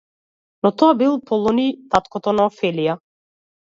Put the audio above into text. Но, тоа бил Полониј, таткото на Офелија.